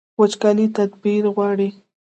وچکالي تدبیر غواړي